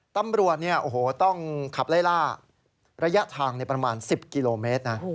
ตำรวจเนี่ยโอ้โหต้องขับไล่ล่าระยะทางในประมาณ๑๐กิโลเมตรนะ